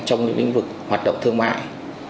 trong những lĩnh vực hoạt động thương mại